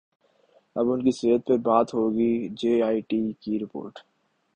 اب ان کی صحت پر بات ہوگی جے آئی ٹی کی رپورٹ